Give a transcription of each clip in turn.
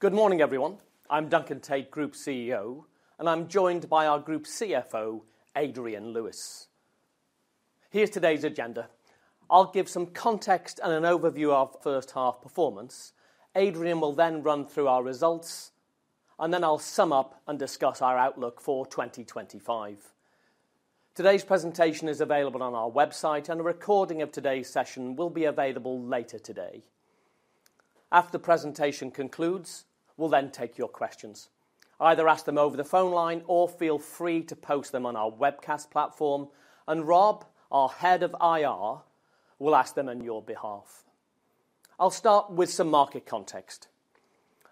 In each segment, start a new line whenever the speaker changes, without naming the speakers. Good morning everyone. I'm Duncan Tait, Group CEO, and I'm joined by our Group CFO, Adrian Lewis. Here's today's agenda. I'll give some context and an overview of first half performance. Adrian will then run through our results. I'll sum up and discuss. Our outlook for 2025. Today's presentation is available on our website, and a recording of today's session will. Be available later today. After the presentation concludes, we'll then take your questions. Either ask them over the phone line or feel free to post them on our webcast platform and Rob, our Head of Investor Relations, will ask them on your behalf. I'll start with some market context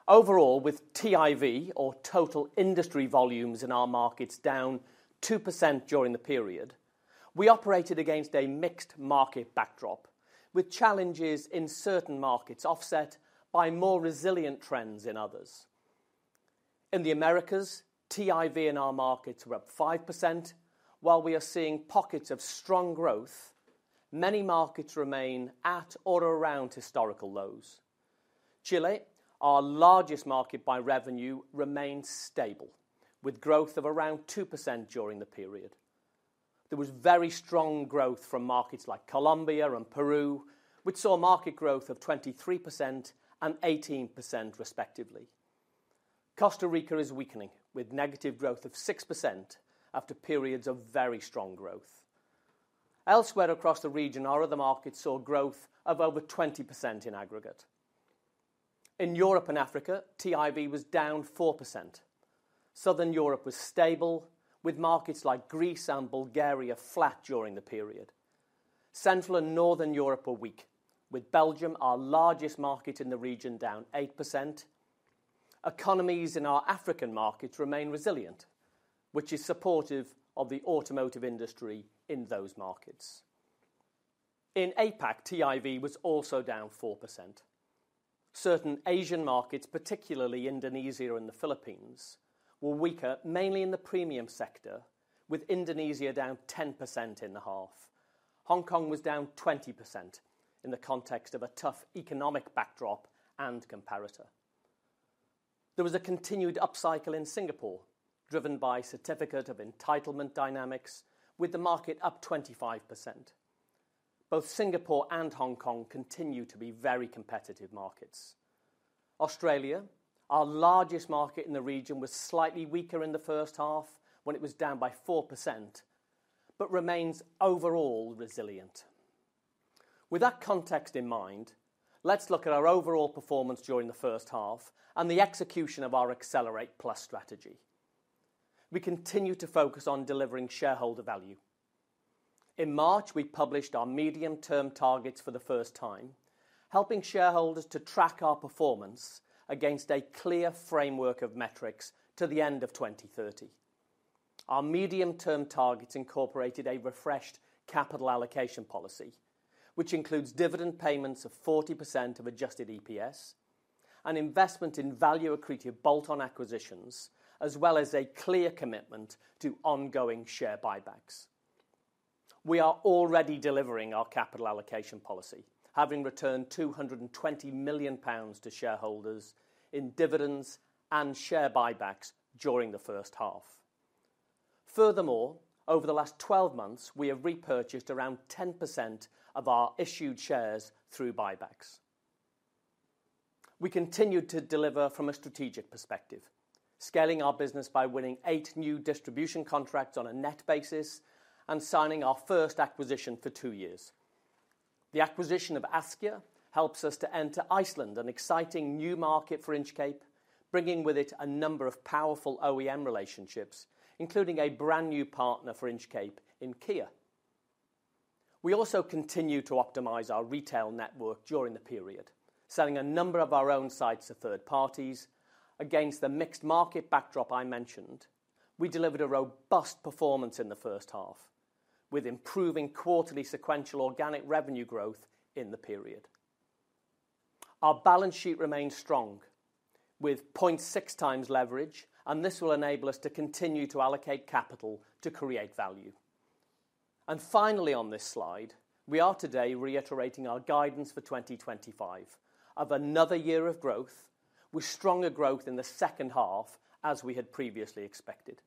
overall with TIV, or total industry volumes, in our markets down 2% during the period. We operated against a mixed market backdrop, with challenges in certain markets offset by more resilient trends in others. In the Americas, TIV in our markets were up 5%. While we are seeing pockets of strong growth, many markets remain at or around historical lows. Chile, our largest market by revenue, remains stable with growth of around 2%. During the period, there was very strong growth from markets like Colombia and Peru, which saw market growth of 23% and 18% respectively. Costa Rica is weakening with negative growth of 6% after periods of very strong growth. Elsewhere across the region, our other markets saw growth of over 20% in aggregate. In Europe & Africa, TIV was down 4%. Southern Europe was stable with markets like Greece and Bulgaria flat during the period. Central and Northern Europe were weak with Belgium, our largest market in the region, down 8%. Economies in our African markets remain resilient, which is supportive of the automotive industry in those markets. In APAC, TIV was also down 4%. Certain Asian markets, particularly Indonesia and the Philippines, were weaker mainly in the premium sector, with Indonesia down 10% in the half. Hong Kong was down 20%. In the context of a tough economic backdrop and comparator, there was a continued upcycle in Singapore driven by Certificate of Entitlement dynamics with the market up 25%. Both Singapore and Hong Kong continue to be very competitive markets. Australia, our largest market in the region, was slightly weaker in the first half when it was down by 4% but remains overall resilient. With that context in mind, let's look at our overall performance during the first half and the execution of our Accelerate Plus strategy. We continue to focus on delivering shareholder value. In March we published our medium term targets for the first time, helping shareholders to track our performance against a clear framework of metrics. To the end of 2030, our medium term targets incorporated a refreshed capital allocation policy which includes dividend payments of 40% of adjusted EPS, an investment in value-accretive bolt-on acquisitions as well as a clear commitment to ongoing share buybacks. We are already delivering our capital allocation policy, having returned 220 million pounds to shareholders in dividends and share buybacks during the first half. Furthermore, over the last 12 months we have repurchased around 10% of our issued shares through buybacks. We continued to deliver from a strategic perspective, scaling our business by winning eight new distribution contracts on a net basis and signing our first acquisition for two years. The acquisition of Askja helps us to enter Iceland, an exciting new market for Inchcape, bringing with it a number of powerful OEM relationships, including a brand new partner for Inchcape in Kia. We also continued to optimize our retail network during the period, selling a number of our own sites to third parties. Against the mixed market backdrop I mentioned, we delivered a robust performance in the first half with improving quarterly sequential organic revenue growth in the period. Our balance sheet remains strong with 0.6x leverage and this will enable us to continue to allocate capital to create value. Finally on this slide, we are today reiterating our guidance for 2025 of another year of growth with stronger growth in the second half as we had previously expected.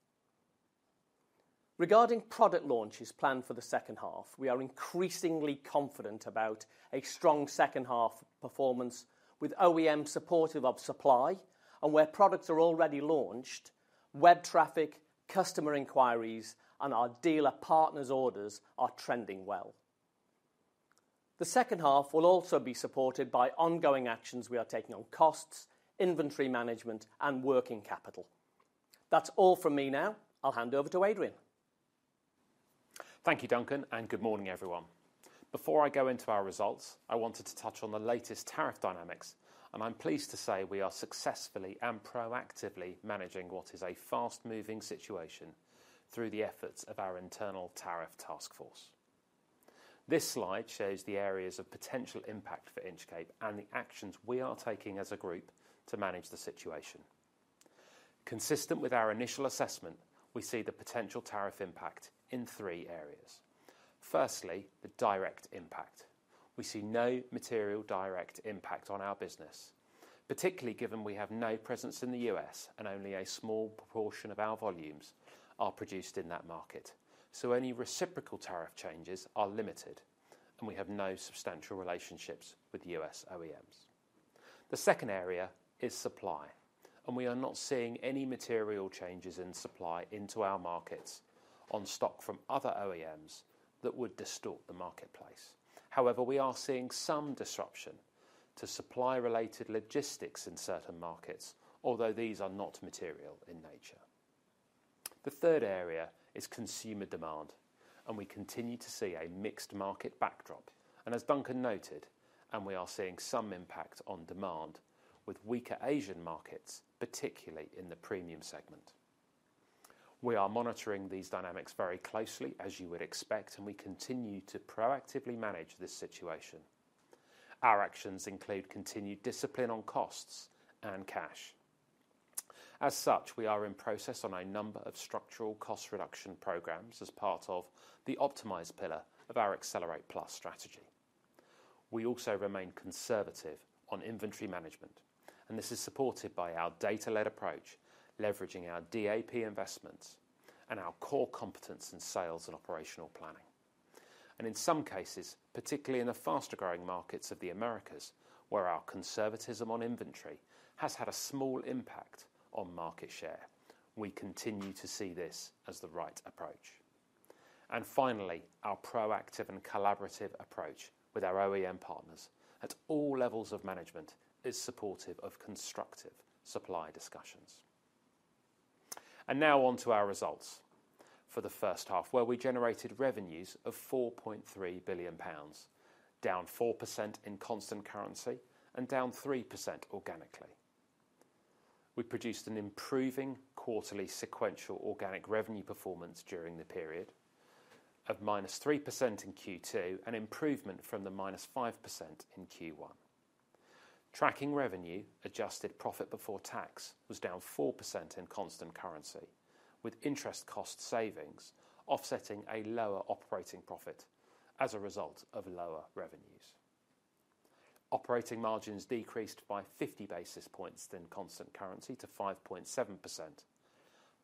Regarding product launches planned for the second half, we are increasingly confident about a strong second half performance with OEM supportive of supply and where products are already launched, web traffic, customer inquiries and our dealer partners' orders are trending well. The second half will also be supported by ongoing actions we are taking on costs, inventory management and working capital. That's all from me now I'll hand over to Adrian.
Thank you Duncan and good morning everyone. Before I go into our results, I wanted to touch on the latest tariff dynamics, and I'm pleased to say we are successfully and proactively managing what is a fast-moving situation through the efforts of our internal tariff Task Force. This slide shows the areas of potential impact for Inchcape and the actions we are taking as a group to manage the situation. Consistent with our initial assessment, we see the potential tariff impact in three areas. Firstly, the direct impact. We see no material direct impact on our business, particularly given we have no presence in the U.S. and only a small proportion of our volumes are produced in that market. Any reciprocal tariff changes are limited, and we have no substantial relationships with U.S. OEMs. The second area is supply, and we are not seeing any material changes in supply into our markets on stock from other OEMs that would distort the marketplace. However, we are seeing some disruption to supply-related logistics in certain markets, although these are not material in nature. The third area is consumer demand, and we continue to see a mixed market backdrop, and as Duncan noted, we are seeing some impact on demand with weaker Asian markets, particularly in the premium segment. We are monitoring these dynamics very closely as you would expect, and we continue to proactively manage this situation. Our actions include continued discipline on costs and cash. As such, we are in process on a number of structural cost reduction programs as part of the optimised pillar of our Accelerate+ strategy. We also remain conservative on inventory management, and this is supported by our data-led approach leveraging our DAP investments and our core competence in sales and operational planning. In some cases, particularly in the faster-growing markets of the Americas where our conservatism on inventory has had a small impact on market share, we continue to see this as the right approach. Finally, our proactive and collaborative approach with our OEM partners at all levels of management is supportive of constructive supply discussions. Now on to our results for the first half where we generated revenues of 4.3 billion pounds, down 4% in constant currency and down 3% organically. We produced an improving quarterly sequential organic revenue performance during the period of -3% in Q2, an improvement from the -5% in Q1 tracking revenue. Adjusted profit before tax was down 4% in constant currency with interest cost savings offsetting a lower operating profit as a result of lower revenues. Operating margins decreased by 50 basis points in constant currency to 5.7%,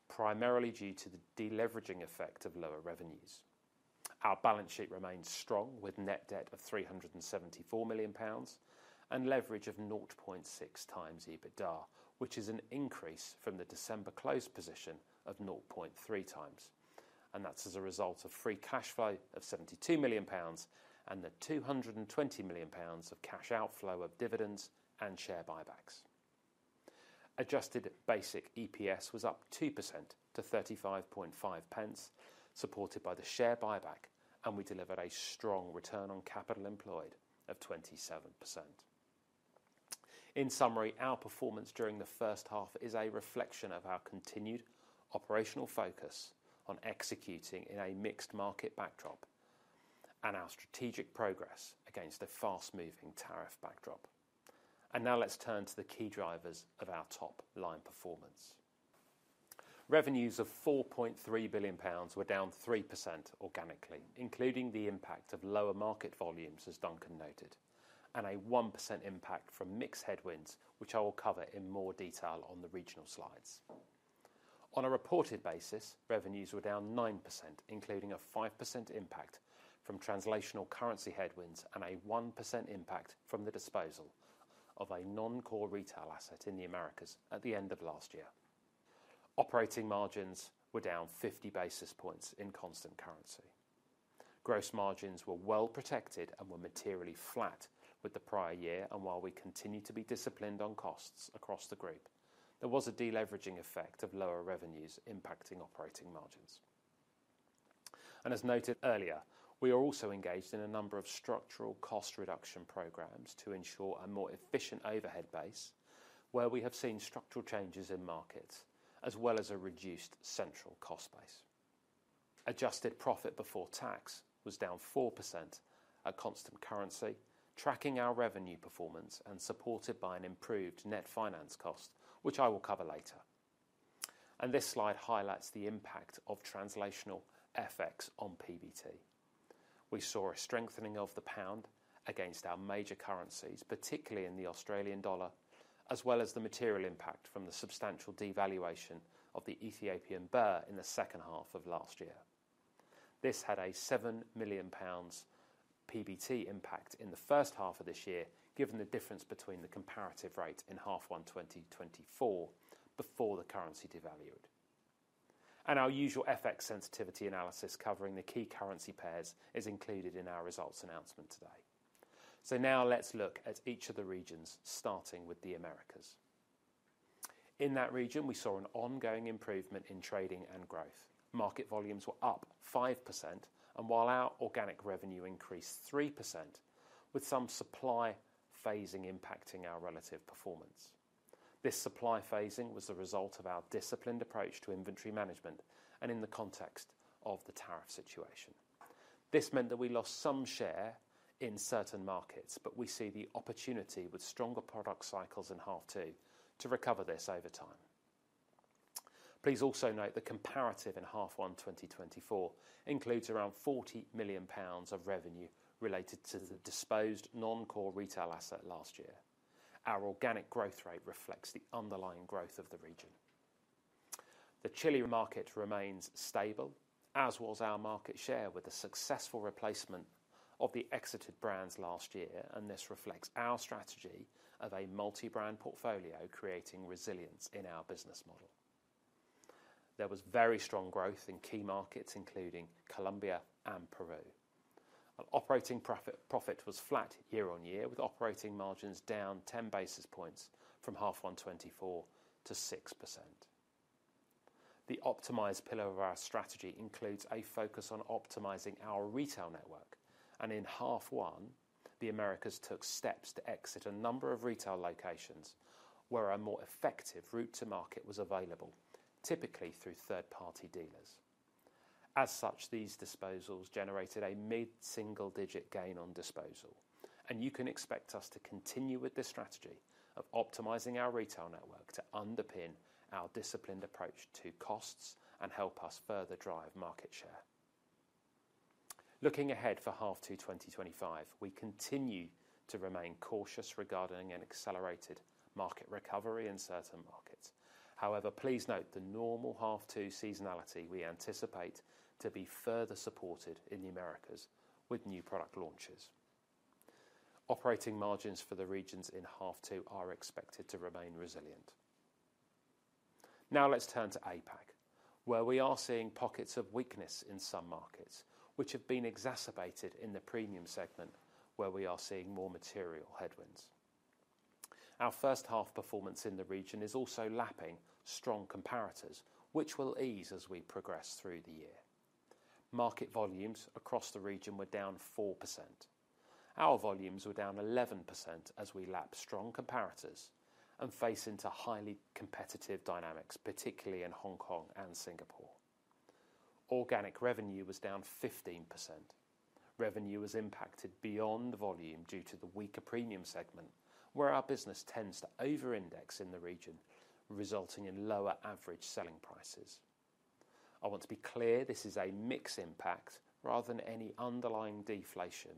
primarily due to the deleveraging effect of lower revenues. Our balance sheet remains strong with net debt of 374 million pounds and leverage of 0.6x EBITDA, which is an increase from the December close position of 0.3x. That is as a result of free cash flow of 72 million pounds and the 220 million pounds of cash outflow of dividends and share buybacks. Adjusted basic EPS was up 2% to 0.355, supported by the share buyback, and we delivered a strong return on capital employed of 27%. In summary, our performance during the first half is a reflection of our continued operational focus on executing in a mixed market backdrop and our strategic progress against a fast-moving tariff backdrop. Now let's turn to the key drivers of our top line performance. Revenues of 4.3 billion pounds were down 3% organically, including the impact of lower market volumes as Duncan noted, and a 1% impact from mix headwinds, which I will cover in more detail on the regional slides. On a reported basis, revenues were down 9%, including a 5% impact from translational currency headwinds and a 1% impact from the disposal of a non-core retail asset in the Americas at the end of last year. Operating margins were down 50 basis points in constant currency. Gross margins were well protected and were materially flat with the prior year, and while we continue to be disciplined on costs across the group, there was a deleveraging effect of lower revenues impacting operating margins. As noted earlier, we are also engaged in a number of structural cost reduction programs to ensure a more efficient overhead base where we have seen structural changes in markets as well as a reduced central cost base. Adjusted profit before tax was down 4% at constant currency, tracking our revenue performance and supported by an improved net finance cost, which I will cover later, and this slide highlights the impact of translational FX on PBT. We saw a strengthening of the pound against our major currencies, particularly in the Australian dollar, as well as the material impact from the substantial devaluation of the Ethiopian birr in the second half of last year. This had a 7 million pounds PBT impact in the first half of this year given the difference between the comparative rate in half one 2024 before the currency devalued, and our usual FX sensitivity analysis covering the key currency pairs is included in our results announcement today. Now let's look at each of the regions starting with the Americas. In that region, we saw an ongoing improvement in trading and growth. Market volumes were up 5%, and while our organic revenue increased 3% with some supply phasing impacting our relative performance. This supply phasing was the result of our disciplined approach to inventory management, and in the context of the tariff situation, this meant that we lost some share in certain markets. We see the opportunity with stronger product cycles in half two to recover this over time. Please also note the comparative in half one 2024 includes around 40 million pounds of revenue related to the disposed non-core retail asset last year. Our organic growth rate reflects the underlying growth of the region. The Chile market remains stable, as was our market share, with the successful replacement of the exited brands last year, and this reflects our strategy of a multi-brand portfolio creating resilience. In our business model, there was very strong growth in key markets including Colombia and Peru. Operating profit was flat year-on-year with operating margins down 10 basis points from half one 2024 to 6%. The optimized pillar of our strategy includes a focus on optimizing our retail network, and in half one the Americas took steps to exit a number of retail locations where a more effective route to market was available, typically through third-party dealers. As such, these disposals generated a mid-single-digit gain on disposal, and you can expect us to continue with this strategy of optimizing our retail network to underpin our disciplined approach to costs and help us further drive market share. Looking ahead for half two 2025, we continue to remain cautious regarding an accelerated market recovery in certain markets. However, please note the normal half two seasonality we anticipate to be further supported in the Americas with new product launches. Operating margins for the regions in half two are expected to remain resilient. Now let's turn to APAC where we are seeing pockets of weakness in some markets, which have been exacerbated in the premium segment where we are seeing more material headwinds. Our first half performance in the region is also lapping strong comparators, which will ease as we progress through the year. Market volumes across the region were down 4%, our volumes were down 11% as we lapped strong comparators and face into highly competitive dynamics, particularly in Hong Kong and Singapore. Organic revenue was down 15%. Revenue was impacted beyond volume due to the weaker premium segment, where our business tends to over index in the region, resulting in lower average selling prices. I want to be clear this is a mix impact rather than any underlying deflation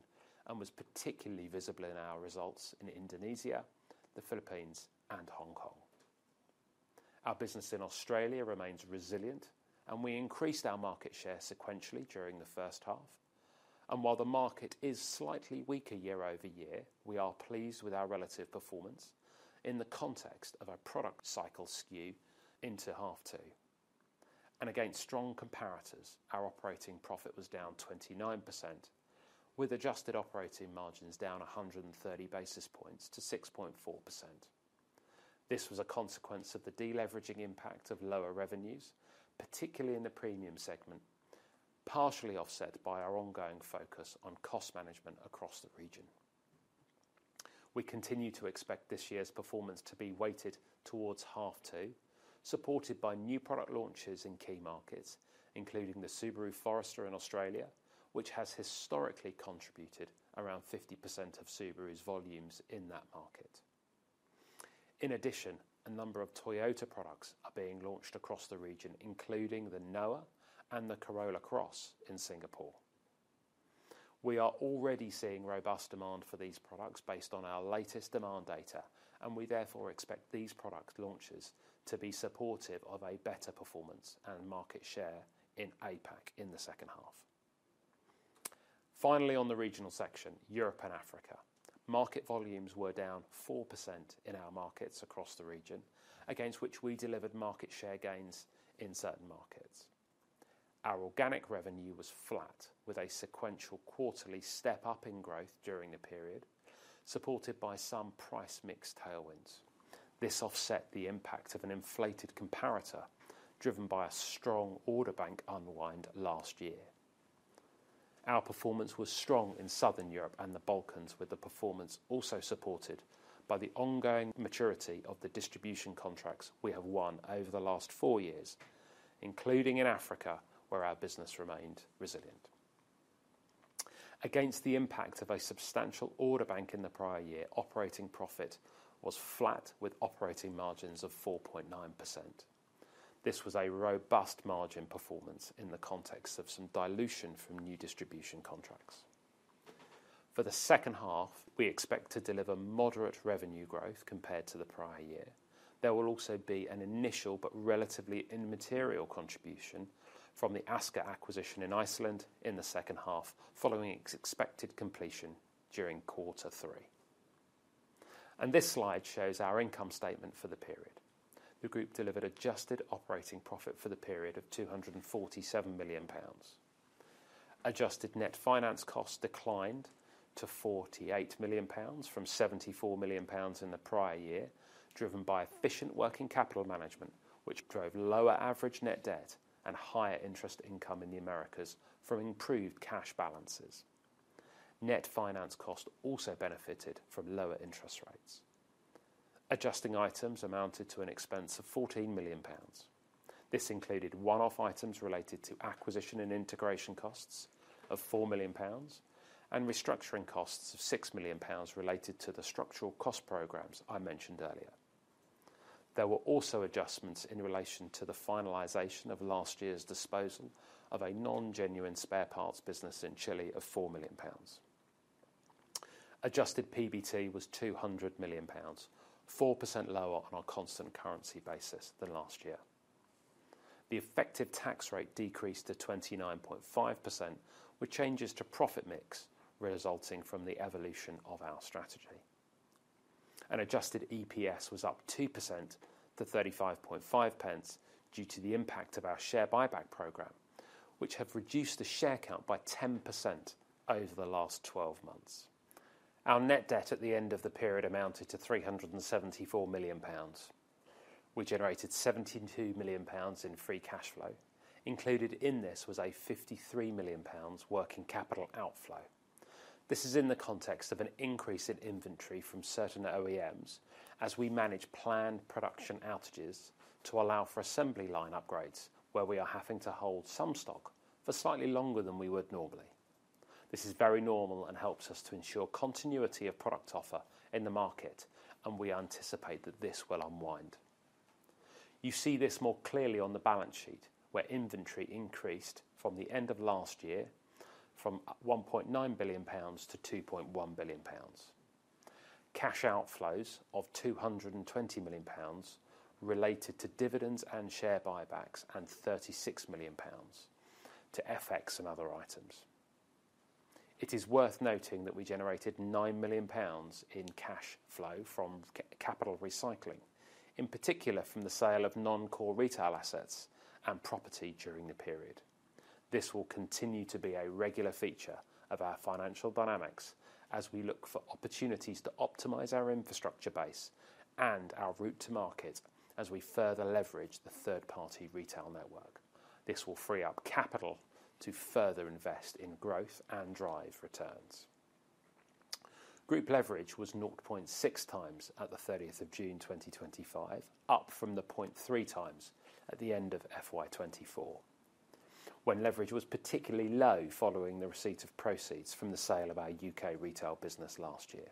and was particularly visible in our results in Indonesia, the Philippines, and Hong Kong. Our business in Australia remains resilient, and we increased our market share sequentially during the first half, while the market is slightly weaker year over year. We are pleased with our relative performance in the context of a product cycle skew into half two and against strong comparators. Our operating profit was down 29%, with adjusted operating margins down 130 basis points to 6.4%. This was a consequence of the deleveraging impact of lower revenues, particularly in the premium segment, partially offset by our ongoing focus on cost management across the region. We continue to expect this year's performance to be weighted towards half two, supported by new product launches in key markets, including the Subaru Forester in Australia, which has historically contributed around 50% of Subaru's volumes in that market. In addition, a number of Toyota products are being launched across the region, including the Noah and the Corolla Cross in Singapore. We are already seeing robust demand for these products based on our latest demand data, and we therefore expect these product launches to be supportive of a better performance and market share in APAC in the second half. Finally, on the regional section, Europe & Africa market volumes were down 4% in our markets across the region, against which we delivered market share gains in certain markets. Our organic revenue was flat, with a sequential quarterly step up in growth during the period, supported by some price mix tailwinds. This offset the impact of an inflated comparator driven by a strong order bank unwind. Last year our performance was strong in Southern Europe and the Balkans, with the performance also supported by the ongoing maturity of the distribution contracts we have won over the last four years, including in Africa where our business remained resilient against the impact of a substantial order bank. In the prior year, operating profit was flat with operating margins of 4.9%. This was a robust margin performance in the context of some dilution from new distribution contracts. For the second half, we expect to deliver moderate revenue growth compared to the prior year. There will also be an initial but relatively immaterial contribution from the Askja acquisition in Iceland in the second half, following its expected completion during quarter three. This slide shows our income statement for the period. The group delivered adjusted operating profit for the period of 247 million pounds. Adjusted net finance costs declined to 48 million pounds from 74 million pounds in the prior year, driven by efficient working capital management which drove lower average net debt and higher interest income in the Americas from improved cash balances. Net finance cost also benefited from lower interest rates. Adjusting items amounted to an expense of 14 million pounds. This included one-off items related to acquisition and integration costs of 4 million pounds and restructuring costs of 6 million pounds related to the structural cost programs I mentioned earlier. There were also adjustments in relation to the finalization of last year's disposal of a non-genuine spare parts business in Chile of 4 million pounds. Adjusted PBT was 200 million pounds, 4% lower on a constant currency basis than last year. The effective tax rate decreased to 29.5% with changes to profit mix resulting from the evolution of our strategy, and adjusted EPS was up 2% to 0.355 due to the impact of our share buyback program, which have reduced the share count by 10% over the last 12 months. Our net debt at the end of the period amounted to 374 million pounds. We generated 72 million pounds in free cash flow. Included in this was a 53 million pounds working capital outflow. This is in the context of an. Increase in inventory from certain OEMs as we manage planned production outages to allow for assembly line upgrades where we are having to hold some stock for slightly longer than we would normally. This is very normal and helps us to ensure continuity of product offer in the market, and we anticipate that this will unwind. You see this more clearly on the balance sheet where inventory increased from the end of last year from GBP 1.9 billion to GBP 2.1 billion, cash outflows of GBP 220 million related to dividends and share buybacks, and GBP 36 million to FX and other items. It is worth noting that we generated 9 million pounds in cash flow from capital recycling, in particular from the sale of non-core retail assets and property during the period. This will continue to be a regular feature of our financial dynamics as we look for opportunities to optimize our infrastructure base and our route to market as we further leverage the third-party retail network. This will free up capital to further invest in growth and drive returns. Group leverage was 0.6x at 30th of June 2025, up from the 0.3x at the end of FY 2024 when leverage was particularly low following the receipt of proceeds from the sale of our UK retail business last year.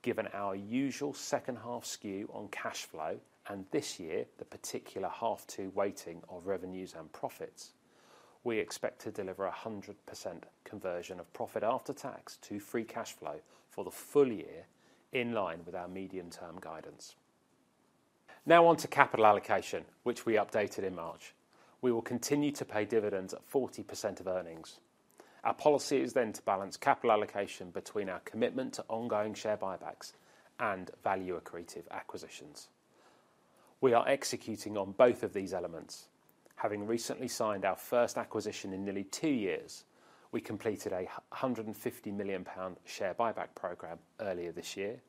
Given our usual second half skew on cash flow and this year the particular half two weighting of revenues and profits, we expect to deliver a 100% conversion of profit after tax to free cash flow for the full year in line with our medium-term guidance. Now on to capital allocation, which we updated in March, we will continue to pay dividends at 40% of earnings. Our policy is then to balance capital allocation between our commitment to ongoing share buybacks and value-accretive acquisitions. We are executing on both of these elements. Having recently signed our first acquisition in nearly two years, we completed a 150 million pound share buyback program earlier this year.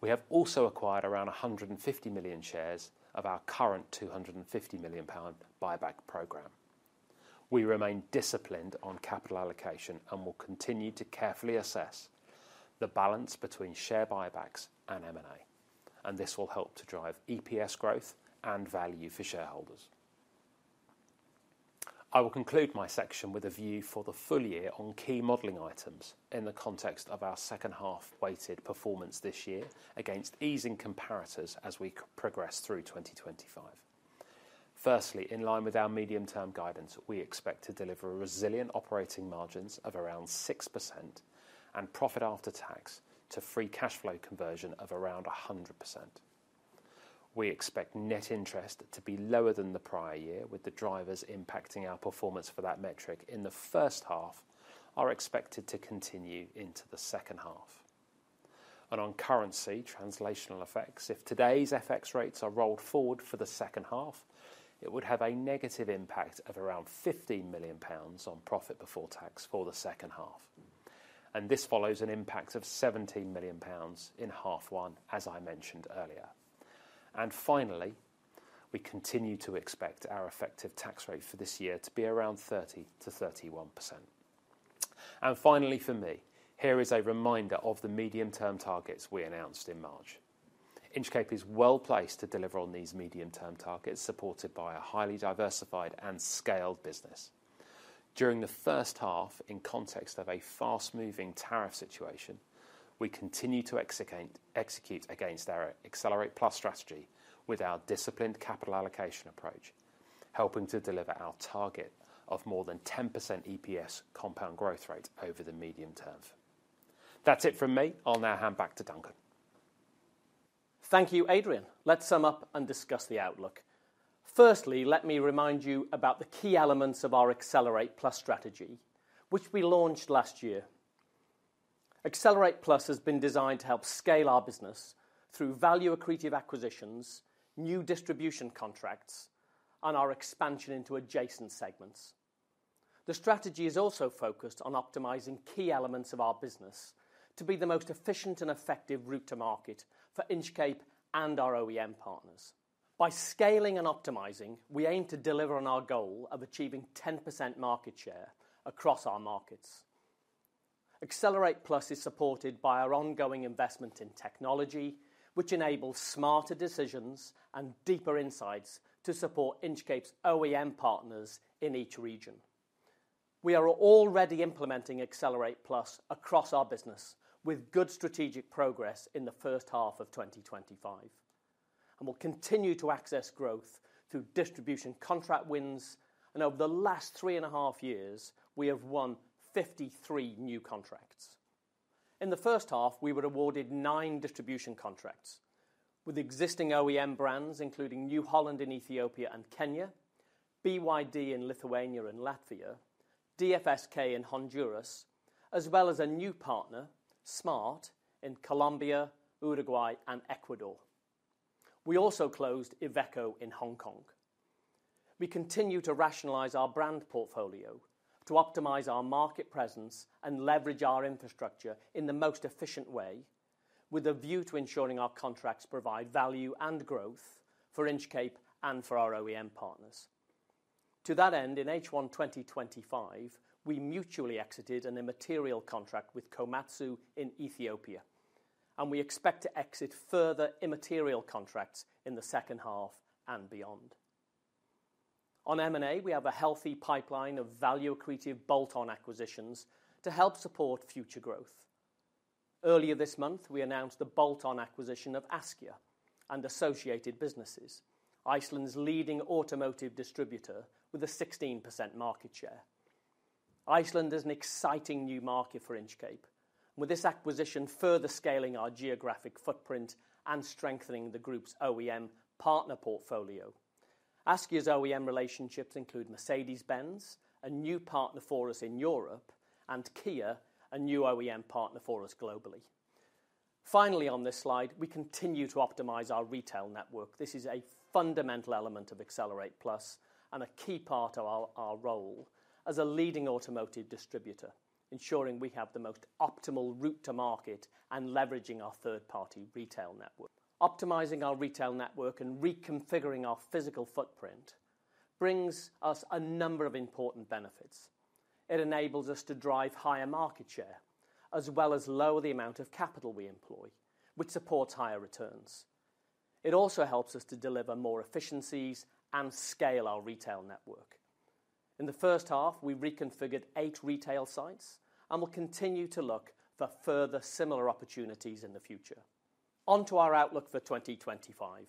We have also acquired around 150 million. shares of our current 250 million pound buyback program. We remain disciplined on capital allocation and will continue to carefully assess the balance between share buybacks and M&A, and this will help to drive EPS growth and value for shareholders. I will conclude my section with a view for the full year on key modeling items in the context of our second half weighted performance this year against easing comparators as we progress through 2025. Firstly, in line with our medium term guidance, we expect to deliver resilient operating margins of around 6% and profit after tax to free cash flow conversion of around 100%. We expect net interest to be lower than the prior year with the drivers impacting our performance for that metric in the first half expected to continue into the second half. On currency translational effects, if today's FX rates are rolled forward for the second half, it would have a negative impact of around 15 million pounds on profit before tax for the second half, and this follows an impact of 17 million pounds in half one as I mentioned earlier. We continue to expect our effective tax rate for this year to be around 30%-31%. Here is a reminder of the medium term targets we announced in March. Inchcape is well placed to deliver on these medium term targets supported by a highly diversified and scaled business. During the first half, in context of a fast moving tariff situation, we continue to execute against our Accelerate+ strategy with our disciplined capital allocation approach helping to deliver our target of more than 10% EPS compound growth rate over the medium term. That's it from me. I'll now hand back to Duncan.
Thank you, Adrian. Let's sum up and discuss the outlook. Firstly, let me remind you about the key elements of our Accelerate+ strategy, which we launched last year. Accelerate+ has been designed to help scale our business through value-accretive acquisitions, new distribution contracts, and our expansion into adjacent segments. The strategy is also focused on optimizing key elements of our business to be the most efficient and effective route to market for Inchcape and our OEM partners. By scaling and optimizing, we aim to deliver on our goal of achieving 10% market share across our markets. Accelerate+ is supported by our ongoing investment in technology, which enables smarter decisions and deeper insights to support Inchcape's OEM partners in each region. We are already implementing Accelerate+ across our business with good strategic progress in the first half of 2025, and we'll continue to access growth through distribution contract wins. Over the last three and a half years, we have won 53 new contracts. In the first half, we were awarded nine distribution contracts with existing OEM brands, including New Holland in Ethiopia and Kenya, BYD in Lithuania and Latvia, DFSK in Honduras, as well as a new partner, SMART, in Colombia, Uruguay, and Ecuador. We also closed IVECO in Hong Kong. We continue to rationalize our brand portfolio to optimize our market presence and leverage our infrastructure in the most efficient way, with a view to ensuring our contracts provide value and growth for Inchcape and for our OEM partners. To that end, in H1 2025 we mutually exited an immaterial contract with Komatsu in Ethiopia, and we expect to exit further immaterial contracts in the second half and beyond. On M&A, we have a healthy pipeline of value-accretive bolt-on acquisitions to help support future growth. Earlier this month we announced the bolt-on acquisition of Askja and associated businesses, Iceland's leading automotive distributor. With a 16% market share, Iceland is an exciting new market for Inchcape with this acquisition, further scaling our geographic footprint and strengthening the group's OEM partner portfolio. Askja's OEM relationships include Mercedes-benz, a new partner for us in Europe. Kia, a new OEM partner for us globally. Finally, on this slide, we continue to optimize our retail network. This is a fundamental element of Accelerate+ and a key part of our role as a leading automotive distributor, ensuring we have the most optimal route to market and leveraging our third-party retail network. Optimizing our retail network and reconfiguring our physical footprint brings us a number of important benefits. It enables us to drive higher market share as well as lower the amount of capital we employ, which supports higher returns. It also helps us to deliver more. Efficiencies and scale our retail network. In the first half, we reconfigured eight retail sites and will continue to look for further similar opportunities in the future. Onto our outlook for 2025,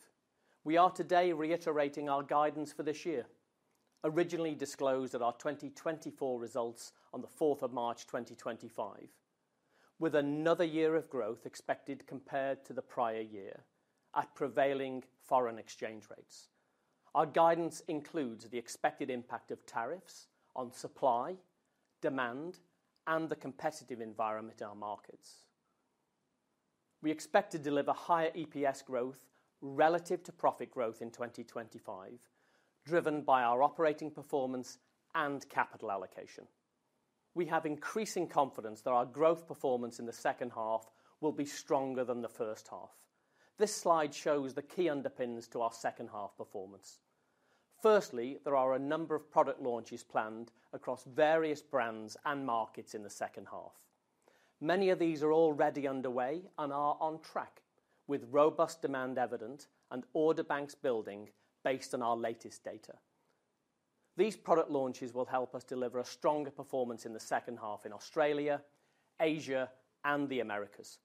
we are today reiterating our guidance for this year originally disclosed at our 2024 results on the 4th of March 2025, with another year of growth expected compared to the prior year at prevailing foreign exchange rates. Our guidance includes the expected impact of tariffs on supply, demand, and the competitive environment in our markets. We expect to deliver higher EPS growth relative to profit growth in 2025 driven by our operating performance and capital allocation. We have increasing confidence that our growth performance in the second half will be stronger than the first half. This slide shows the key underpins to our second half performance. Firstly, there are a number of product launches planned across various brands and markets. In the second half. Many of these are already underway and are on track with robust demand evident and order banks building. Based on our latest data, these product launches will help us deliver a stronger performance in the second half in Australia, Asia, and the Americas.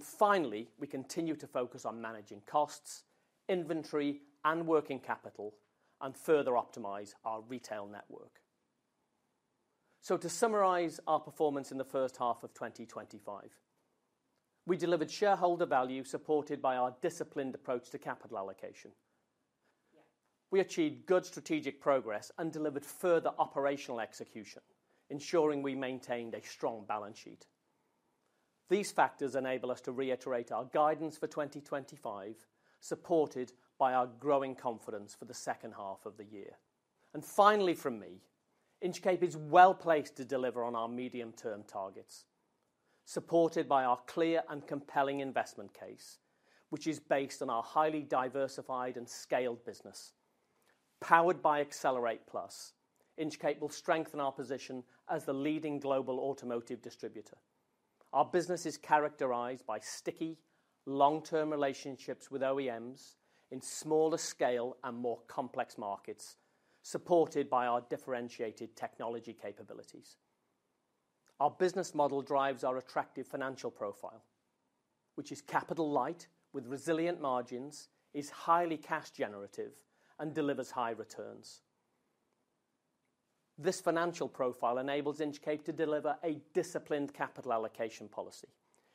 Finally, we continue to focus on managing costs, inventory, and working capital and further optimize our retail network. To summarize our performance in the first half of 2025, we delivered shareholder value supported by our disciplined approach to capital allocation. We achieved good strategic progress and delivered further operational execution, ensuring we maintained a strong balance sheet. These factors enable us to reiterate our guidance for 2025, supported by our growing confidence for the second half of the year. Finally from me, Inchcape is well placed to deliver on our medium term targets, supported by our clear and compelling investment case which is based on our highly diversified and scaled business. Powered by Accelerate+, Inchcape will strengthen our position as the leading global automotive distributor. Our business is characterized by sticky long term relationships with OEMs in smaller scale and more complex markets, supported by our differentiated technology capabilities. Our business model drives our attractive financial profile which is capital-light with resilient margins, is highly cash generative, and delivers high returns. This financial profile enables Inchcape to deliver a disciplined capital allocation policy,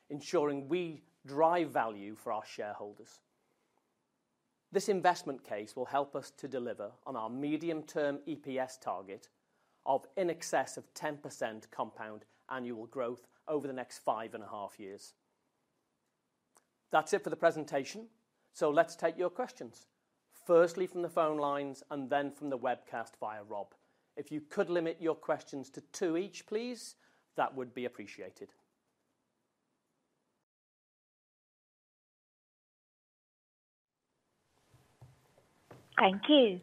ensuring we. Drive value for our shareholders. This investment case will help us to deliver on our medium term EPS target of in excess of 10% compound annual growth over the next five and a half years. That's it for the presentation. Let's take your questions, firstly from the phone lines and then from the webcast via Rob. If you could limit your questions to two each, please, that would be appreciated.
Thank you.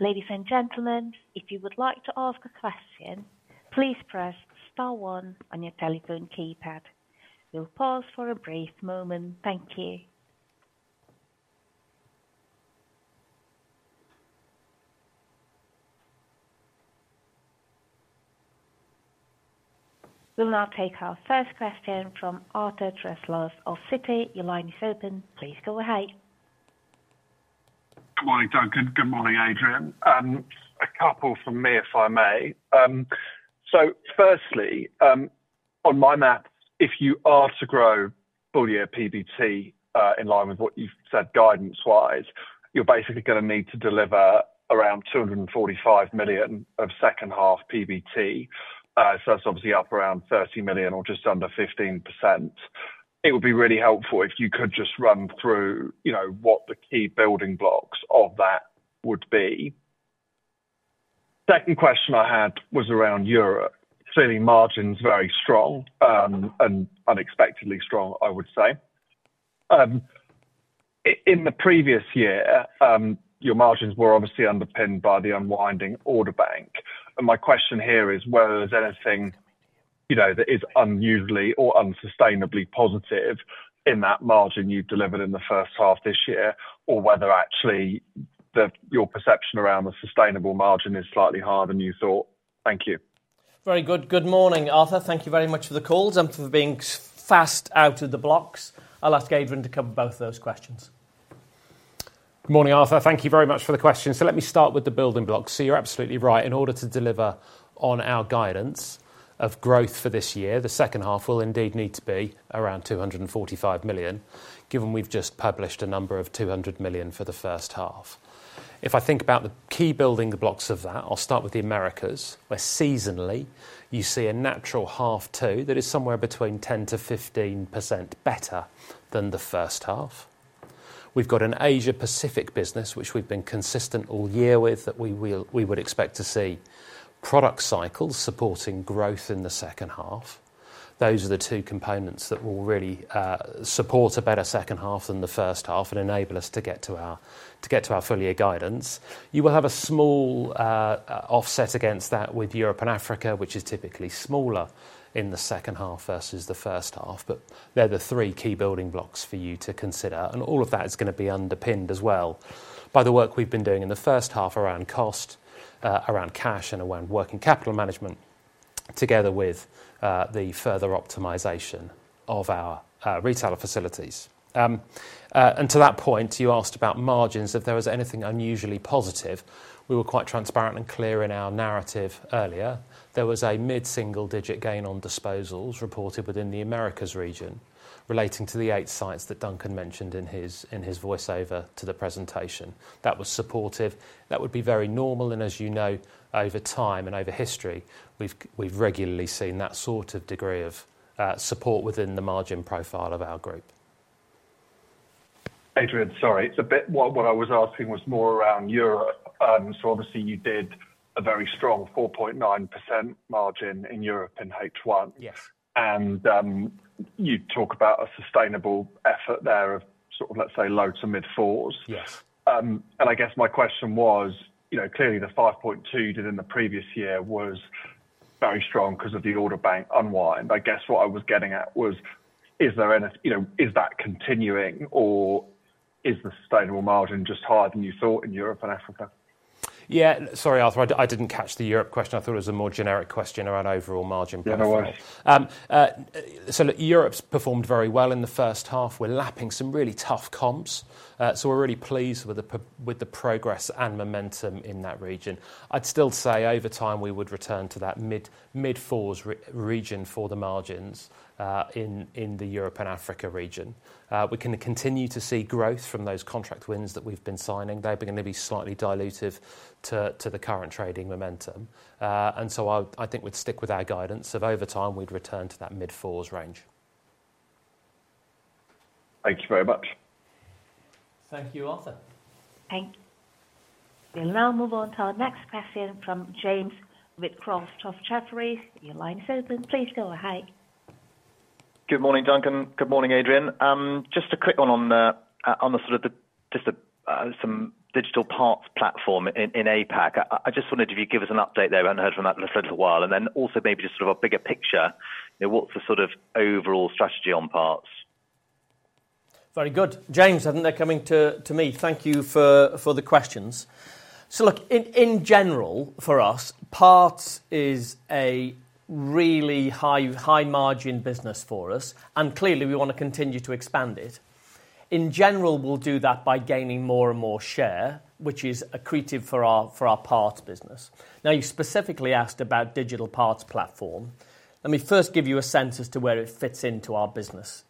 Ladies and gentlemen, if you would like to ask a question, please press star one on your telephone keypad. We'll pause for a brief moment. Thank you. We'll now take our first question from Arthur Truslove of Citi. Your line is open. Please go ahead.
Good morning, Duncan. Good morning, Adrian. A couple from me, if I may. Firstly, on my map, if you are to grow full year PBT in line with what you've said, guidance wise, you're basically going to need to deliver around 245 million of second half PBT. That's obviously up around 30 million or just under 15%. It would be really helpful if you could just run through what the key building blocks of that would be. The second question I had was around Europe feeling margins very strong and unexpectedly strong. I would say in the previous year your margins were obviously underpinned by the unwinding order bank. My question here is whether there's anything that is unusually or unsustainably positive in that margin you've delivered in the first half this year, or whether actually your perception around the sustainable margin is slightly higher than you thought. Thank you.
Very good. Good morning, Arthur. Thank you very much for the calls. you for being fast out of the blocks. I'll ask Adrian Lewis to cover both those questions.
Good morning Arthur. Thank you very much for the question. Let me start with the building blocks. You're absolutely right. In order to deliver on our guidance of growth for this year, the second half will indeed need to be around 245 million given we've just published a number of 200 million for the first half. If I think about the key building blocks of that, I'll start with the Americas where seasonally you see a natural half two that is somewhere between 10%-15% better than the first half. We've got an Asia-Pacific business which we've been consistent all year with that we would expect to see product cycles supporting growth in the second half. Those are the two components that will really support a better second half than the first half and enable us to get to our full year guidance. You will have a small offset against that with Europe & Africa which is typically smaller in the second half versus the first half. They're the three key building blocks for you to consider. All of that is going to be underpinned as well by the work we've been doing in the first half around cost, around cash and around working capital management, together with the further optimization. Of our retailer facilities. To that point, you asked about margins, if there was anything unusually positive. We were quite transparent and clear in our narrative earlier. There was a mid single digit gain on disposals reported within the Americas region relating to the eight sites that Duncan mentioned in his voiceover to the presentation. That was supportive, that would be very normal. As you know, over time and over history we've regularly seen that sort of degree of support within the margin profile of our group.
Adrian, sorry, it's a bit. What I was asking was more around Europe. Obviously, you did a very strong 4.9% margin in Europe in H1.
Yes.
You talk about a sustainable effort there of, let's say, low to mid fours.
Yes.
My question was clearly the 5.2% did in the previous year was very strong because of the order bank unwind. What I was getting at was is there any, is that continuing or is the sustainable margin just higher than you thought in Europe & Africa?
Yeah, sorry Arthur, I didn't catch the Europe question. I thought it was a more generic question around overall margin. Europe's performed very well in the first half. We're lapping some really tough comps. We're really pleased with the progress and momentum in that region. I'd still say over time we would return to that mid 4% region for the margins in the Europe & Africa region. We can continue to see growth from those contract wins that we've been signing. They're going to be slightly dilutive to the current trading momentum, and I think we'd stick with our guidance of over time, we'd return to that mid 4% range.
Thank you very much.
Thank you, Arthur.
Thank you. We'll now move on to our next question from James Wheatcroft at Jefferies. Your line is open. Please go.
Hi, good morning, Duncan. Good morning, Adrian. Just a quick one on the sort of just some digital parts platform in APAC. I just wondered if you'd give us an update there. We haven't heard from that in a little while. Also, maybe just sort of a bigger picture. What's the sort of overall strategy on parts?
Very good, James. I think they're coming to me. Thank you for the questions. In general for us, parts is a really high margin business for us, and clearly we want to continue to expand it. In general, we'll do that by gaining more and. More share which is accretive for our parts business. You specifically asked about digital parts platform. Let me first give you a sense as to where it fits into our business.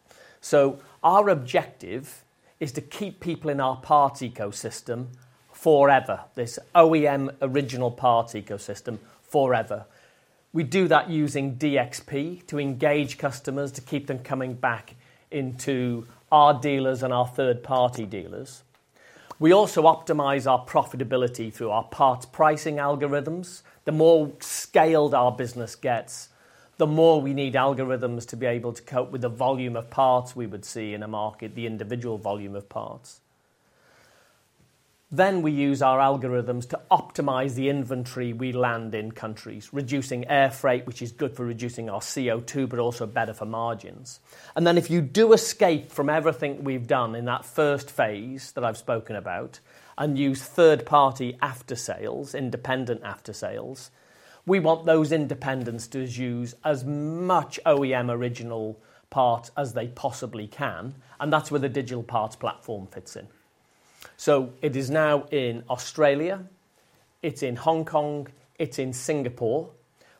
Our objective is to keep people in our parts ecosystem forever. This OEM original parts ecosystem forever. We do that using DXP to engage customers to keep them coming back into our dealers and our third party dealers. We also optimize our profitability through our parts pricing algorithms. The more scaled our business gets, the more we need algorithms to be able to cope with the volume of parts we would see in a market, the individual volume of parts. We use our algorithms to optimize the inventory. We land in countries reducing air freight, which is good for reducing our CO2, but also better for margins. If you do escape from. Everything we've done in that first phase that I've spoken about, and use third party after sales, independent after sales, we want those independents to use as much OEM original parts as they possibly can. That's where the digital parts platform fits in. It is now in Australia, it's in Hong Kong, it's in Singapore.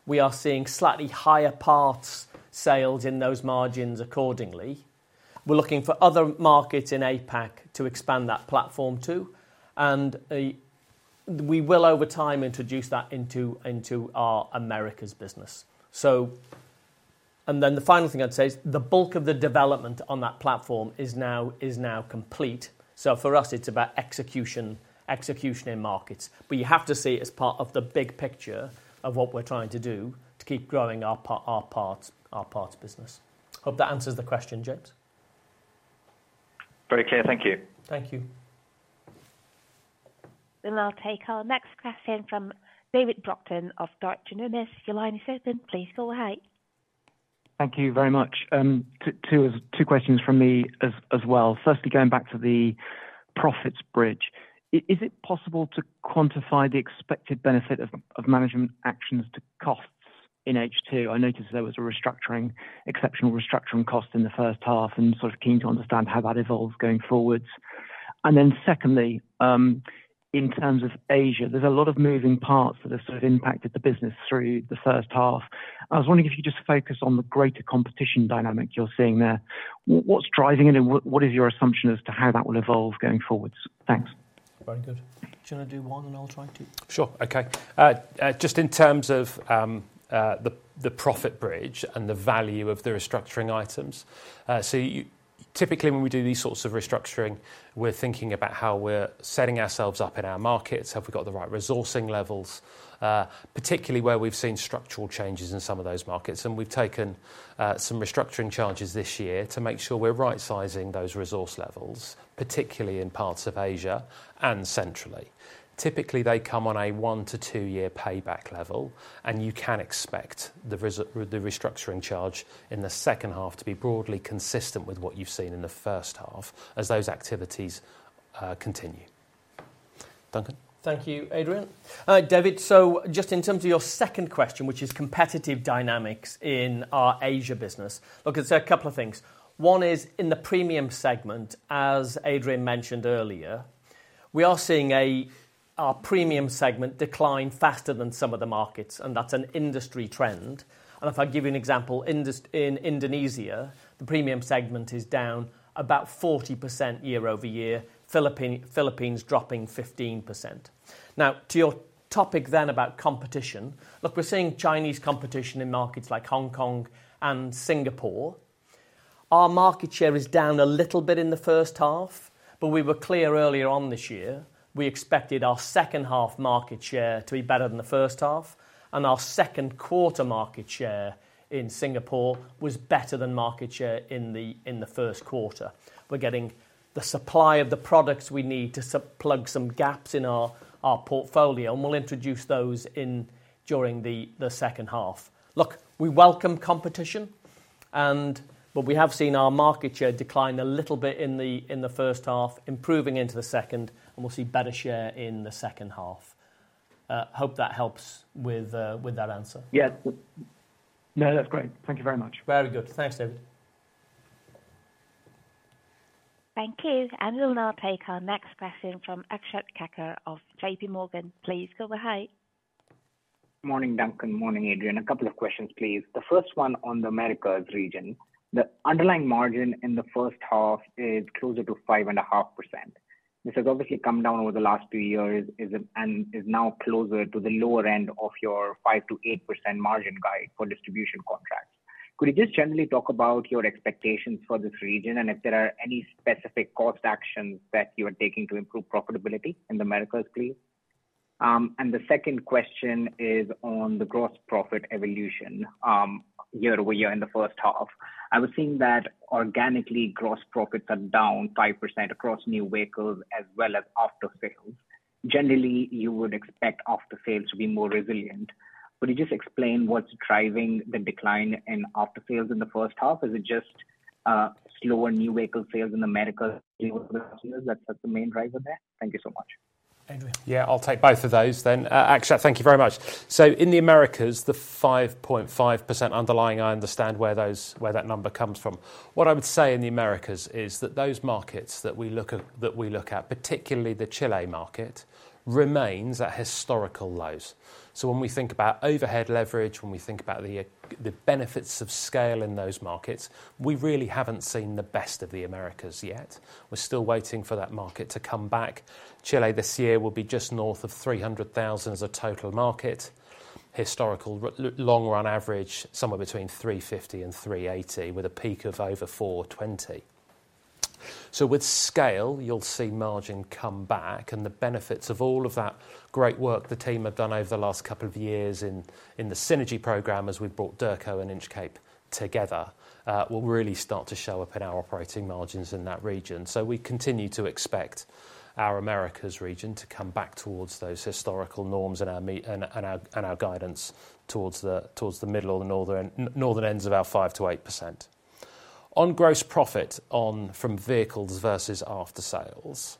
We are seeing slightly higher parts sales in those margins. Accordingly, we're looking for other markets in. APAC to expand that platform to, and we will over time introduce that into our Americas business. The final thing I'd say is the bulk of the development on that platform is now complete. For us it's about execution, execution in markets. You have to see it as. Part of the big picture of what we're trying to do to keep growing our parts business. Hope that answers the question, James.
Very clear. Thank you.
Thank you.
We'll now take our next question from David Brockton of Deutsche Numis. Your line is open. Please go ahead.
Thank you very much. Two questions from me as well. Firstly, going back to the profits bridge, is it possible to quantify the expected benefit of management actions to costs? In H2, I noticed there was an exceptional restructuring cost in the first half, and I am keen to understand how that evolves going forwards. Secondly, in terms of Asia, there's a lot of moving parts that have impacted the business through the first half. I was wondering if you could just focus on the greater competition dynamic you're seeing there, what's driving it, and what is your assumption as to how that will evolve going forwards?
Thanks. Very good. Shall I do one and I'll try two?
Sure. Okay. Just in terms of the profit bridge and the value of the restructuring items. Typically when we do these sorts of restructuring, we're thinking about how we're setting ourselves up in our markets. Have we got the right resourcing levels, particularly where we've seen structural changes in some of those markets and we've taken some restructuring charges this year to make sure we're right sizing those resource levels, particularly in parts of Asia and centrally. Typically they come on a one to two year payback level. You can expect the restructuring charge in the second half to be broadly consistent with what you've seen in the first half as those activities continue. Duncan.
Thank you, Adrian. David, in terms of your. Second question, which is competitive dynamics in our Asia business, look, a couple of things. One is in the premium segment, as Adrian mentioned earlier, we are seeing our premium segment decline faster than some of the markets and that's an industry trend. If I give you an example, in Indonesia, the premium segment is down about 40% year-over-year. Philippines dropping 15%. Now to your topic then, about competition. Look, we're seeing Chinese competition in markets like Hong Kong and Singapore. Our market share is down a little bit in the first half. We were clear earlier this year, we expected our second half market share to be better than the first half. Our second quarter market share in Singapore was better than market share in the first quarter. We're getting the supply of the products. We need to plug some gaps in our portfolio and we'll introduce those during the second half. Look, we welcome competition, but we have. Seen our market share decline a little bit in the first half, improving into the second, and we'll see better share in the second half. Hope that helps with that answer. Yes, no, that's great.
Thank you very much.
Very good. Thanks, David.
Thank you. We'll now take our next question from Akshat Kacker of JPMorgan. Please go by.
Morning, Duncan. Morning, Adrian. A couple of questions, please. The first one on the Americas region, the underlying margin in the first half is closer to 5.5%. This has obviously come down over the last two years and is now closer to the lower end of your 5%-8% margin guide for distribution contracts. Could you just generally talk about your expectations for this region and if there are any specific cost actions that you are taking to improve profitability in the Americas, please? The second question is on the gross profit evolution year over year. In the first half, I was seeing that organically gross profits are down 5% across new vehicles as well as after sales. Generally, you would expect after sales to be more resilient. Could you just explain what's driving the decline in after sales in the first half? Is it just slower new vehicle sales in Americas? That's the main driver there. Thank you so much.
Yeah, I'll take both of those then, Akshat, thank you very much. In the Americas, the 5.5% underlying, I understand where that number comes from. What I would say in the Americas is that those markets that we look at, particularly the Chile market, remains at historical lows. When we think about overhead, leverage, when we think about the economy, the benefits of scale in those markets, we really haven't seen the best of the Americas yet. We're still waiting for that market to come back. Chile this year will be just north of 300,000 as a total market, historical long run average somewhere between 350,000 and 380,000 with a peak of over 420,000. With scale, you'll see margin come back and the benefits of all of that great work the team have done over the last couple of years in the Synergy program, as we've brought Derco and Inchcape together, will really start to show up in our operating margins in that region. We continue to expect our Americas region to come back towards those historical norms and our guidance towards the middle or the northern ends of our 5%-8% on gross profit from vehicles versus after sales.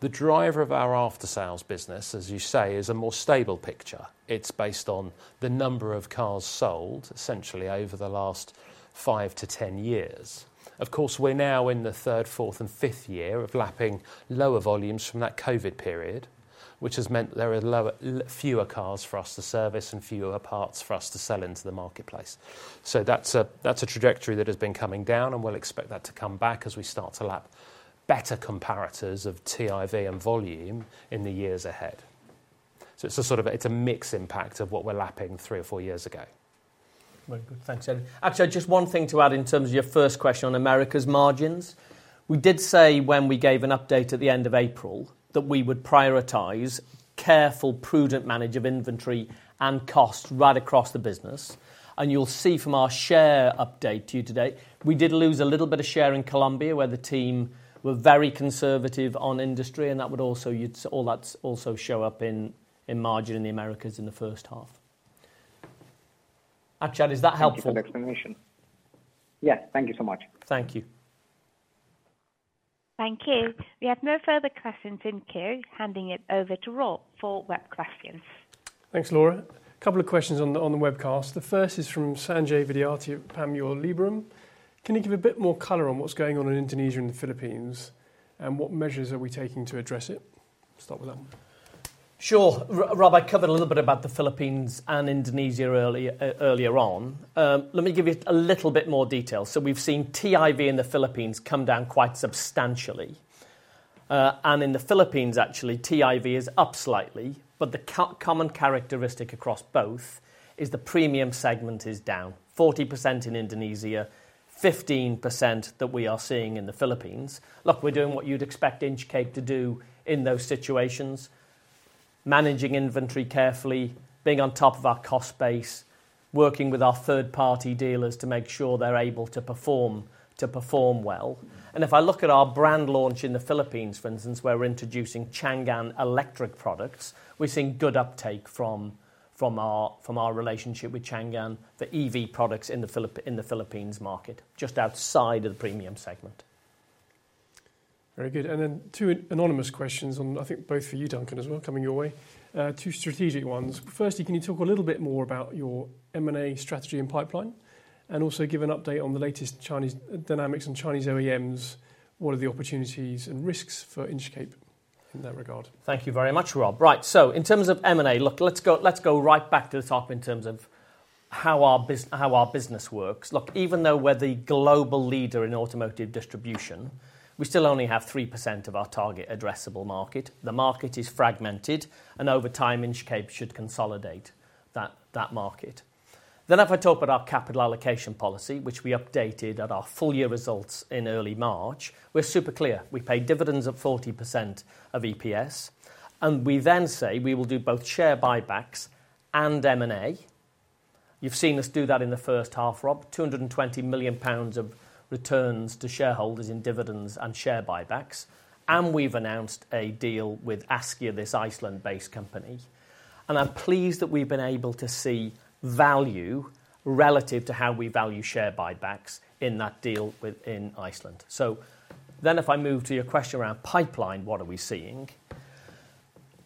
The driver of our after sales business, as you say, is a more stable picture. It's based on the number of cars sold essentially over the last five to ten years. Of course, we're now in the third, fourth and fifth year of lapping lower volumes from that COVID period, which has meant there are fewer cars for us to service and fewer parts for us to sell into the marketplace. That's a trajectory that has been coming down and we'll expect that to come back as we start to lap better comparators of TIV and volume in the years ahead. It's a sort of, it's a mix impact of what we're lapping three. Four years ago.
Thanks, Adrian. Actually, just one thing to add in terms of your first question on Americas margins. We did say when we gave an update at the end of April that we would prioritize careful, prudent management of inventory and cost right across the business. You'll see from our share update to you today, we did lose a little bit of share in Colombia where the team were very conservative on industry and that would also show up in margin in the Americas in the first half. Akshat, does that help explanation?
Yes. Thank you so much.
Thank you.
Thank you. We have no further questions in queue. Handing it over to Rob Gurner for web questions.
Thanks, Laura. A couple of questions on the webcast. The first is from Sanjay Vidyarthi Panmure Liberum. Can you give a bit more color on what's going on in Indonesia and the Philippines and what measures are we taking to address it? Start with that one.
Sure. Rob. I covered a little bit about the Philippines and Indonesia earlier on. Let me give you a little bit more detail. We've seen TIV in the Philippines come down quite substantially. In the Philippines, actually, TIV is up slightly. The common characteristic across both is the premium segment is down 40% in Indonesia, 15% that we are seeing in the Philippines. Look, we're doing what you'd expect Inchcape to do in those situations, managing inventory carefully, being on top of our cost base, working with our third party dealers to make sure they're able to perform well. If I look at our brand. Launch in the Philippines, for instance, where we're introducing Changan electric products. We're seeing good uptake from our relationship with Changan for EV products in the Philippines market just outside of the premium segment.
Very good. Two anonymous questions, I think both for you, Duncan, as well, coming your way, two strategic ones. Firstly, can you talk a little bit more about your M&A strategy and pipeline and also give an update on the latest Chinese dynamics and Chinese OEMs? What are the opportunities and risks for Inchcape in that regard?
Thank you very much, Rob. Right, so in terms of M&A, let's. Go right back to the top. terms of how our business works, even though we're the global leader in automotive distribution, we still only have 3% of our target addressable market. The market is fragmented, and over time Inchcape should consolidate that market. If I talk about our capital. Allocation policy, which we updated at our full year results in early March, we're super clear we paid dividends of 40% of EPS, and we then say we will do both share buybacks and M&A. You've seen us do that in the first half, Rob. 220 million pounds of returns to shareholders in dividends and share buybacks. We've announced a deal with Askja, this Iceland-based company, and I'm pleased that we've been able to see value relative to how we value share buybacks in that deal in Iceland. If I move to your question around pipeline, what are we seeing?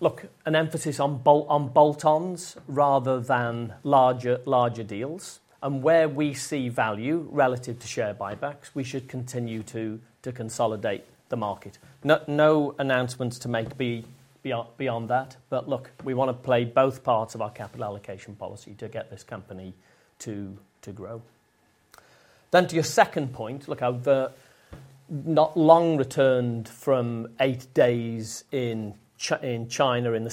Look, an emphasis on bolt-ons rather than larger, larger deals. Where we see value relative to share buybacks, we should continue to consolidate the market. No announcements to make beyond that. We want to play both parts of our capital allocation policy to get this company to grow. To your second point. Look, I've not long returned from eight days in China in the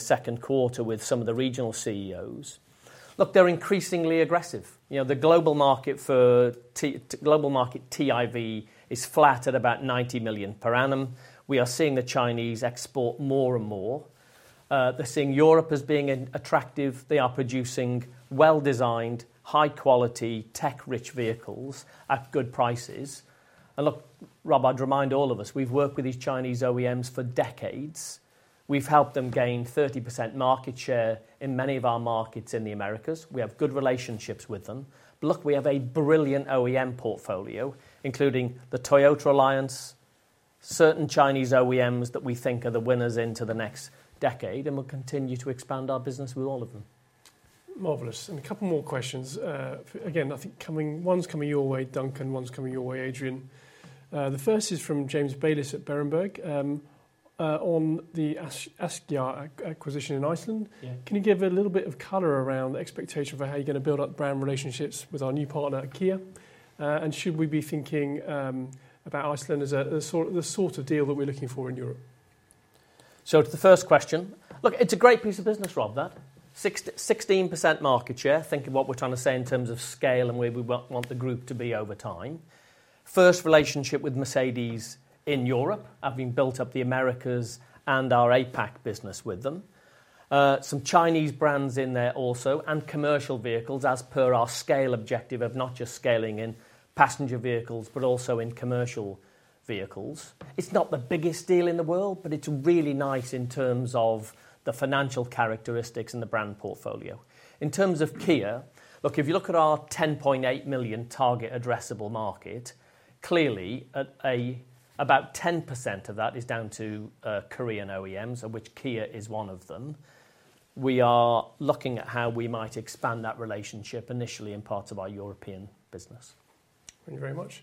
second quarter with some of the regional CEOs. Look, they're increasingly aggressive. Global market TIV is flat at about 90 million per annum. We are seeing the Chinese export more and more. They're seeing Europe as being attractive. They are producing well-designed, high-quality, tech-rich vehicles at good prices. Rob, I'd remind all of us, we've worked with these Chinese OEMs for decades. We've helped them gain 30% market share in many of our markets in the Americas. We have good relationships with them. We have a brilliant OEM portfolio, including the Toyota alliance, certain Chinese OEMs that we think are the winners into the next decade and we'll continue to expand our business with all of them.
Marvellous. A couple more questions again. I think one's coming your way, Duncan, one's coming your way, Adrian. The first is from James Bayliss at Berenberg on the Askja acquisition in Iceland. Can you give a little bit of color around expectation for how you're going to build up brand relationships with our new partner Kia? Should we be thinking about Iceland as the sort of deal that we're looking for in Europe?
To the first question. Look, it's a great piece of business, Rob, that 16% market share. Think of what we're trying to say in terms of scale and where we want the group to be over time, first relationship with Mercedes in Europe, having built up the Americas and our APAC business with them. Some Chinese brands in there also. Commercial vehicles, as per our scale objective of not just scaling in passenger vehicles, but also in commercial vehicles. It's not the biggest deal in the world, but it's really nice in terms of the financial characteristics and the brand portfolio. In terms of Kia, look, if you look at our 10.8 million target addressable market, clearly about 10% of that is down to Korean OEMs, which Kia is one of them. We are looking at how we might expand that relationship initially in part of our European business.
Thank you very much.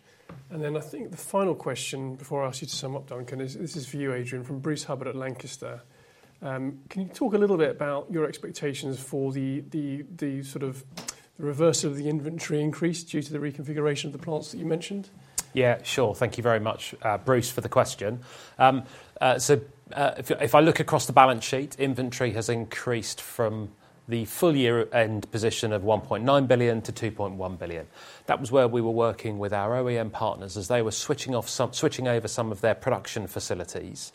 I think the final question before I ask you to sum up, Duncan, this is for you, Adrian, from Bruce Hubbard at Lancaster. Can you talk a little bit about your expectations for the sort of reversal of the inventory increase due to the reconfiguration of the plants that you mentioned?
Yeah, sure. Thank you very much, Bruce, for the question. If I look across the balance sheet, inventory has increased from the full year end position of 1.9 billion to 2.1 billion. That was where we were working with our OEM partners as they were switching over some of their production facilities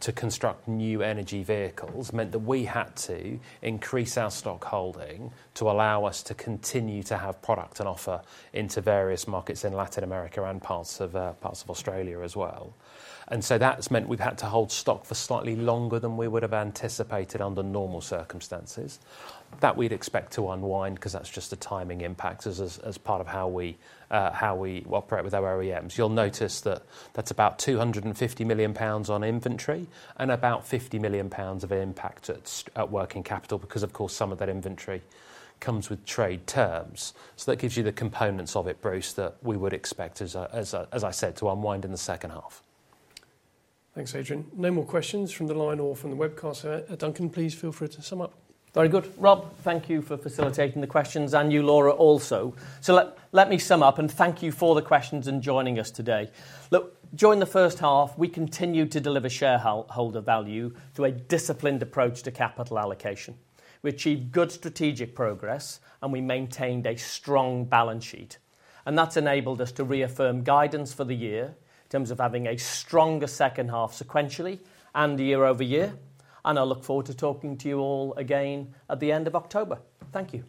to construct new energy vehicles, which meant that we had to increase our stock holding to allow us to continue to have product and offer into various markets in Latin America and parts of Australia as well. That's meant we've had to hold stock for slightly longer than we would have anticipated under normal circumstances that we'd expect to unwind because that's just the timing impact as part of how we operate with our OEMs. You'll notice that that's about 250 million pounds on inventory and about 50 million pounds of impact at working capital, because of course, some of that inventory comes with trade terms. That gives you the components of it, Bruce, that we would expect, as I said, to unwind in the second half.
Thanks, Adrian. No more questions from the line or from the webcast. Duncan, please feel free to sum up.
Very good, Rob, thank you for facilitating. The questions and you, Laura, also. Let me sum up and thank you for the questions and joining us today. Look, during the first half we continue. To deliver shareholder value through a disciplined approach to capital allocation. We achieved good strategic progress. Maintained a strong balance sheet, and that's enabled us to reaffirm guidance for the year in terms of having a stronger second half sequentially and year over year. I look forward to talking to you all again at the end of October. Thank you.